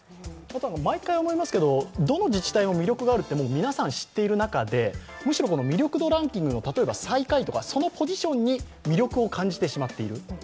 毎回思いますけど、どの自治体も魅力があると皆さん知っている中で、むしろ魅力度ランキングを例えば最下位とかそのポジションに魅力を感じてしまっている。